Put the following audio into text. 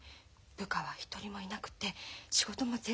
部下は一人もいなくて仕事も全然ないの。